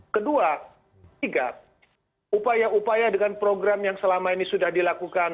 kedua tiga upaya upaya dengan program yang selama ini sudah dilakukan